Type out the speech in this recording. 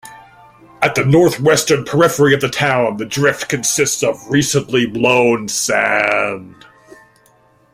At the northwestern periphery of the town the drift consists of recently blown sand.